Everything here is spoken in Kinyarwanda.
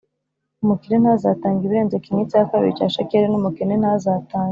Umukire ntazatange ibirenze kimwe cya kabiri cya shekeli n umukene ntazatange